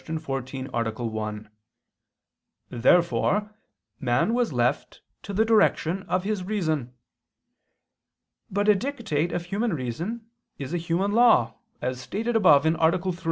14, A. 1). Therefore man was left to the direction of his reason. But a dictate of human reason is a human law as stated above (A. 3).